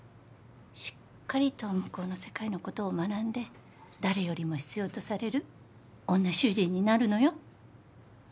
しっかりと向こうの世界のことを学んで誰よりも必要とされる女主人になるのよ。